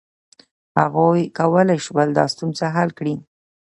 هغوی کولای شول دا ستونزه حل کړي.